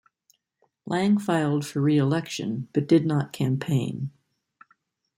Lang filed for re-election but did not campaign.